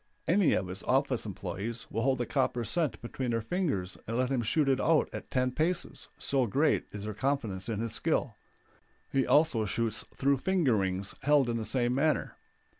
Any of his office employes will hold a copper cent between their fingers and let him shoot it out at ten paces, so great is their confidence in his skill; he also shoots through finger rings held in the same manner.